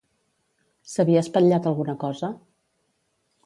S'havia espatllat alguna cosa?